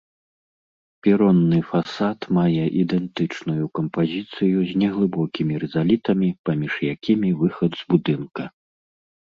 Перонны фасад мае ідэнтычную кампазіцыю з неглыбокімі рызалітамі, паміж якімі выхад з будынка.